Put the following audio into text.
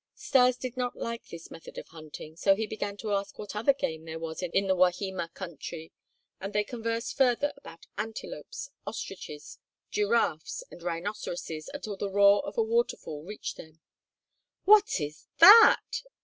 Stas did not like this method of hunting; so he began to ask what other game there was in the Wahima country and they conversed further about antelopes, ostriches, giraffes, and rhinoceroses until the roar of a waterfall reached them. "What is that?"